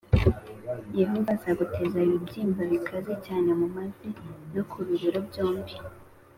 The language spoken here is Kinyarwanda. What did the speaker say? “Yehova azaguteza ibibyimba bikaze cyane mu mavi no ku bibero byombi,